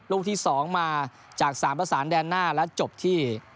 ลูกที่สองมาจากสามภาษาแดนหน้าแล้วจบที่